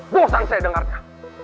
bosan saya dengarnya